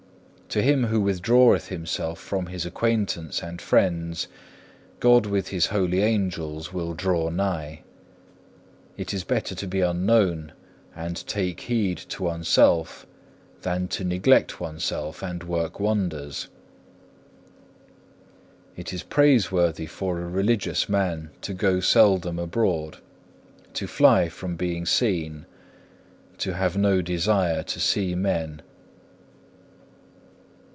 To him who withdraweth himself from his acquaintance and friends God with his holy angels will draw nigh. It is better to be unknown and take heed to oneself than to neglect oneself and work wonders. It is praiseworthy for a religious man to go seldom abroad, to fly from being seen, to have no desire to see men.